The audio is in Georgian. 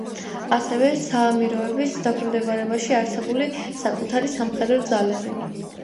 ასევე საამიროების დაქვემდებარებაში არსებული საკუთარი სამხედრო ძალები.